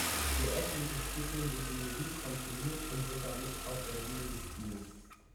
Für etliche Stücke wird die Musik komponiert und sogar mit auf der Bühne gespielt.